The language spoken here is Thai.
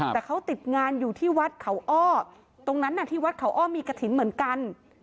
แต่เขาติดงานอยู่ที่วัดเขาอ้อตรงนั้นที่วัดเขาอ้อมีกระถิ่นเหมือนกัน